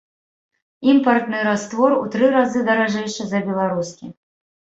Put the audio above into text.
Імпартны раствор у тры разы даражэйшы за беларускі.